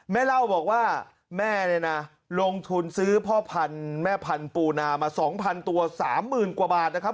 แม่เล่าบอกว่าแม่เนี่ยน่ะลงทุนซื้อพ่อพันธุ์แม่พันธุ์ปูนามาสองพันตัวสามหมื่นกว่าบาทนะครับ